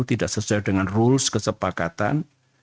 tidak sesuai dengan rules kesepakatan